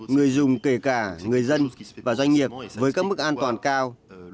người dùng kể cả người dân và doanh nghiệp với các mức an toàn cao